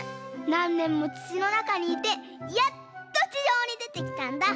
なんねんもつちのなかにいてやっとちじょうにでてきたんだ。